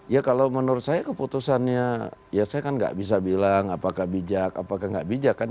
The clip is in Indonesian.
ya kalau menurut saya keputusannya ya saya kan nggak bisa bilang apakah bijak apakah nggak bijak kan